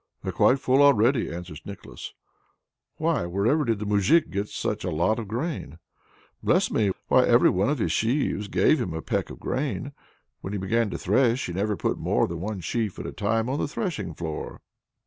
"They're quite full already," answers Nicholas. "Why, wherever did the Moujik get such a lot of grain?" "Bless me! Why, every one of his sheaves gave him a peck of grain. When he began to thresh he never put more than one sheaf at a time on the threshing floor."